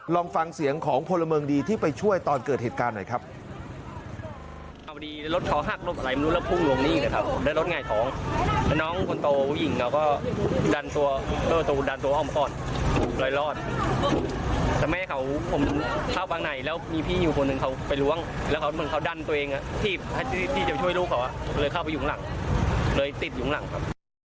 ลองฟังเสียงของพลเมืองดีที่ไปช่วยตอนเกิดเหตุการณ์หน่อยครับ